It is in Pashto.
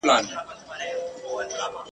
کله وعده کله انکار کله پلمه لګېږې ..